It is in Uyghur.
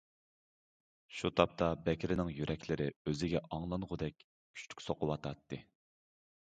شۇ تاپتا بەكرىنىڭ يۈرەكلىرى ئۆزىگە ئاڭلانغۇدەك كۈچلۈك سوقۇۋاتاتتى.